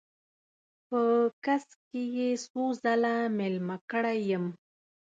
په کڅ کې یې څو ځله میلمه کړی یم.